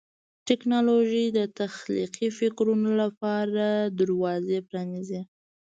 ټیکنالوژي د تخلیقي فکرونو لپاره دروازې پرانیزي.